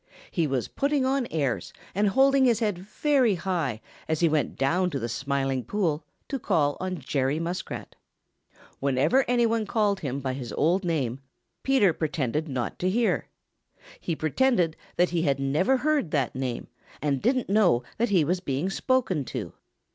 He was putting on airs and holding his head very high as he went down to the Smiling Pool to call on Jeny Muskrat. Whenever any one called him by his old name, Peter pretended not to hear. He pretended that he had never heard that name and didn't know that he was being spoken to.